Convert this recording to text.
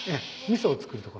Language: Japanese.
みそを作る所。